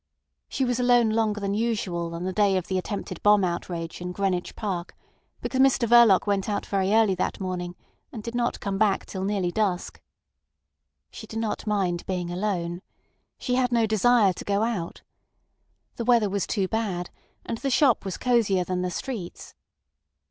She was alone longer than usual on the day of the attempted bomb outrage in Greenwich Park, because Mr Verloc went out very early that morning and did not come back till nearly dusk. She did not mind being alone. She had no desire to go out. The weather was too bad, and the shop was cosier than the streets.